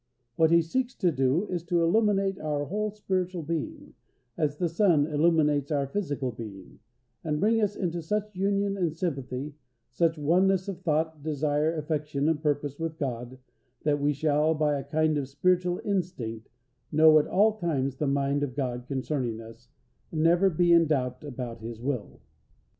What He seeks to do is to illuminate our whole spiritual being, as the sun illuminates our physical being, and bring us into such union and sympathy, such oneness of thought, desire, affection, and purpose with God, that we shall, by a kind of spiritual instinct, know at all times the mind of God concerning us, and never be in doubt about His will.